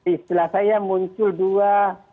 istilah saya muncul dua